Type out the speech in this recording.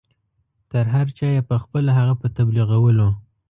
تر هر چا یې پخپله هغه په تبلیغولو.